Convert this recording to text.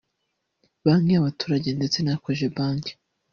Banki y’Abaturage ndetse na Cogebank